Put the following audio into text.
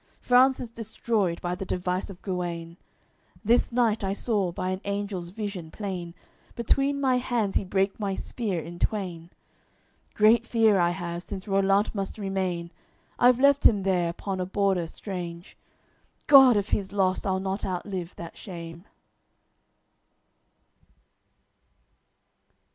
France is destroyed, by the device of Guene: This night I saw, by an angel's vision plain, Between my hands he brake my spear in twain; Great fear I have, since Rollant must remain: I've left him there, upon a border strange. God! If he's lost, I'll not outlive that shame."